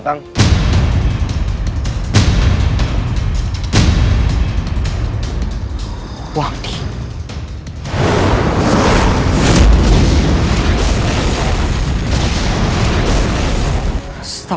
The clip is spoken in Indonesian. yang akan diberikan